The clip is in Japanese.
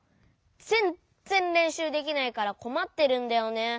ぜんっぜんれんしゅうできないからこまってるんだよね。